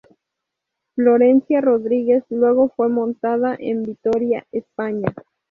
Florencia Rodríguez luego fue montada en Vitoria, España.